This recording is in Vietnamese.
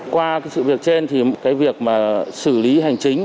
qua sự việc trên việc xử lý hành chính